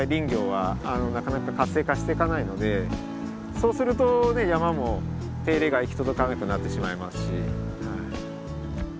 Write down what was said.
そうすると山も手入れが行き届かなくなってしまいますし。